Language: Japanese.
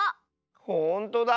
ほんとだ。